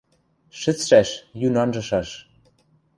Шӹцшӓш, йӱн анжышаш.